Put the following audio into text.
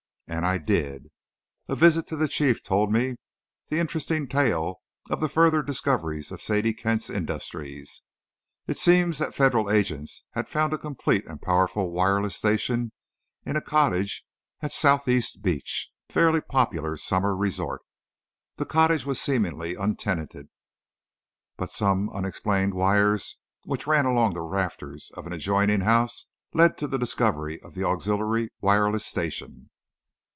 And I did. A visit to the Chief told me the interesting tale of the further discoveries of Sadie Kent's industries. It seems the Federal agents had found a complete and powerful wireless station in a cottage at Southeast Beach, a fairly popular summer resort. The cottage was seemingly untenanted, but some unexplained wires which ran along the rafters of an adjoining house led to the discovery of the auxiliary wireless station.